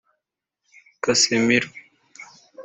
Casemiro